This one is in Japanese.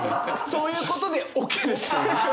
そういうことでオッケーです。